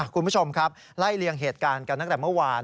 คุณผู้ชมครับไล่เลี่ยงเหตุการณ์กันตั้งแต่เมื่อวาน